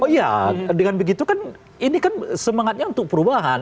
oh iya dengan begitu kan ini kan semangatnya untuk perubahan